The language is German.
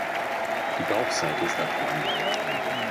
Die Bauchseite ist abgerundet.